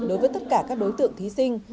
đối với tất cả các đối tượng thí sinh